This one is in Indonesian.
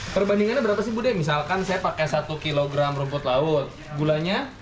perbandingannya berapa sih bu deh misalkan saya pakai satu kg rumput laut gulanya